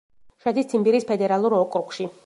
შედის ციმბირის ფედერალურ ოკრუგში.